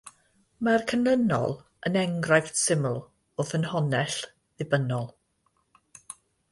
Mae'r canlynol yn enghraifft syml o ffynhonnell ddibynnol.